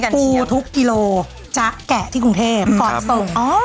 ปูทุกกิโลจะแกะที่กรุงเทพก่อนส่ง